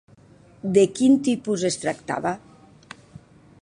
De quin tipus es tractava?